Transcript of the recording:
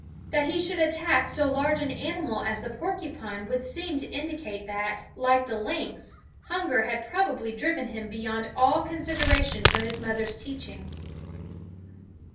That he should attack so large an animal as the porcupine would seem to indicate that, like the lynx, hunger had probably driven him beyond all consideration for his mother's teaching.